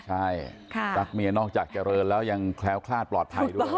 ใช่รักเมียนอกจากเจริญแล้วยังแคล้วคลาดปลอดภัยด้วย